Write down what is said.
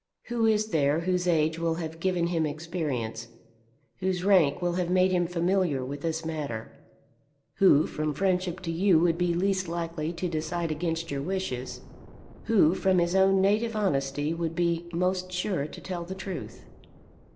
Who is there whose age will have given him experience, whose rank will have made him familiar with this matter, who from friendship to you would be least likely to decide against your wishes, who from his own native honesty would be most sure to tell the truth?"